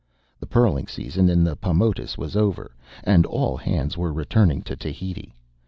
The pearling season in the Paumotus was over, and all hands were returning to Tahiti.